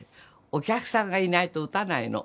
お客さんがいないと打たないの。